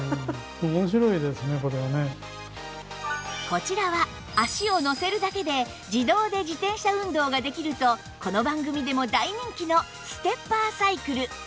こちらは足をのせるだけで自動で自転車運動ができるとこの番組でも大人気のステッパーサイクル